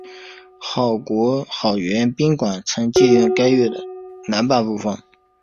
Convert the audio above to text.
好园宾馆曾借用该院的南半部分。